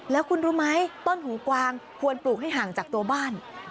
แล้วคุณรู้ไหมต้นหูกวางควรปลูกให้ห่างจากตัวบ้าน